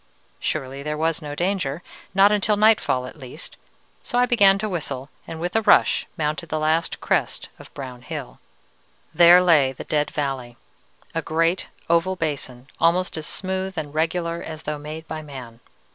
Surely there was no danger, not until nightfall at least; so I began to whistle, and with a rush mounted the last crest of brown hill. "There lay the Dead Valley! A great oval basin, almost as smooth and regular as though made by man.